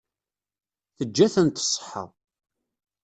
Teǧǧa-tent ṣṣeḥḥa.